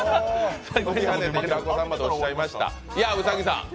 飛びはねて、平子さんまで落ちちゃいました。